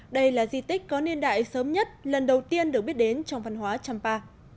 đây là di tích có niên đại sớm nhất lần đầu tiên được biết đến trong văn hóa champa